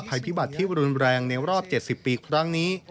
ภัยพิบัติที่รุนแรงในรอบ๗๐ปีครั้งนี้